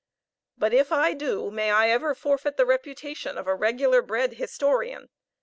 But if I do, may I ever forfeit the reputation of a regular bred historian!